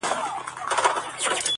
نه به په موړ سې نه به وتړې بارونه!